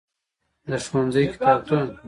د ښوونځی کتابتون.